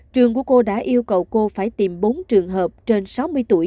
trường của cô đã yêu cầu cô phải tìm bốn trường hợp trên sáu mươi tuổi